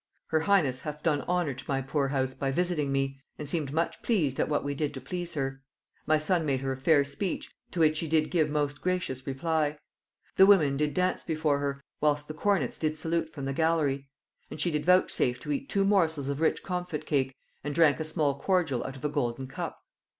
Her highness hath done honor to my poor house by visiting me, and seemed much pleased at what we did to please her. My son made her a fair speech, to which she did give most gracious reply. The women did dance before her, whilst the cornets did salute from the gallery; and she did vouchsafe to eat two morsels of rich comfit cake, and drank a small cordial out of a golden cup.